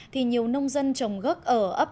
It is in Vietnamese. thì nhiều nông dân trồng gốc ở ấp